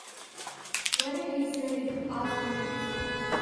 “What did he say?” asked Rich.